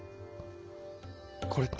これって。